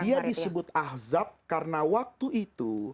dia disebut ahzab karena waktu itu